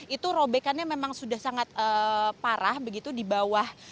itu robekannya memang sudah sangat parah begitu di bawah